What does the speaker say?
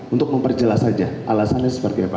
untuk memperjelas saja alasannya seperti apa